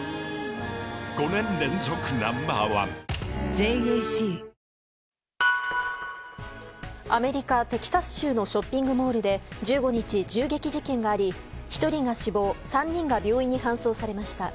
生命アメリカ・テキサス州のショッピングモールで１５日、銃撃事件があり１人が死亡３人が病院に搬送されました。